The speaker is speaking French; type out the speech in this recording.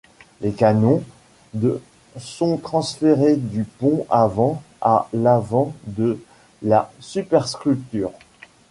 Les canons de sont transférés du pont avant à l'avant de la superstructure.